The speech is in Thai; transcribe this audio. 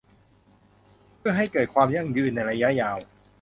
เพื่อให้เกิดความยั่งยืนในระยะยาว